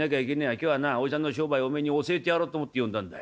今日はおじさんの商売おめえに教えてやろうと思って呼んだんだよ」。